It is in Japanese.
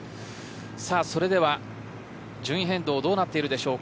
さあ、それでは順位変動がどうなってるでしょうか